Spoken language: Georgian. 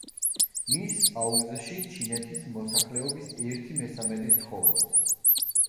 მის აუზში ჩინეთის მოსახლეობის ერთი მესამედი ცხოვრობს.